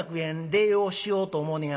礼をしようと思うねや」。